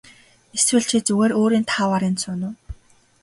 Эсвэл чи зүгээр өөрийн тааваар энд сууна уу.